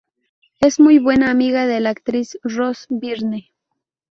Es muy buena amiga de la actriz Rose Byrne.